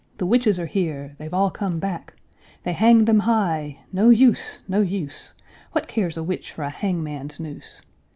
The witches are here! They've all come back! They hanged them high, No use! No use! What cares a witch for a hangman's noose?